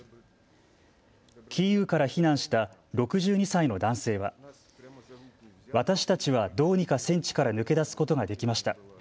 キーウから避難した６２歳の男性は私たちはどうにか戦地から抜け出すことができました。